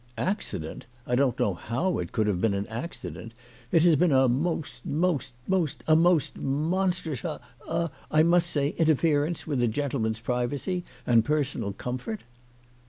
" Accident ! I don't know how it could have been an accident. It has been a most most most a most monstrous, er, er, I must say, interference with a gentleman's privacy, and personal comfort."